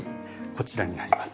こちらになります。